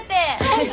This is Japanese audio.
はい！